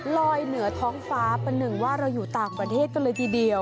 ลอยเหนือท้องฟ้าประหนึ่งว่าเราอยู่ต่างประเทศกันเลยทีเดียว